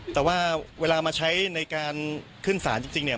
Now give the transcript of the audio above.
แต่ว่าเวลามาใช้ในการขึ้นสารจริงเนี่ย